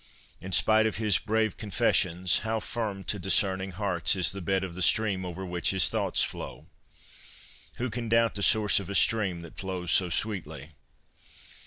In spite of his brave confessions, how firm to dis cerning hearts is the bed of the stream over which his thoughts flow ! Who can doubt the source of a stream that flows so sweetly